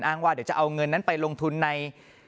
ว่าเดี๋ยวจะเอาเงินนั้นไปลงทุนใน